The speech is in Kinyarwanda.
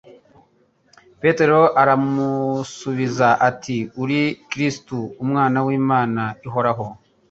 Petero aramusubiza ati: "Uri Kristo Umwana w'Imana ihoraho."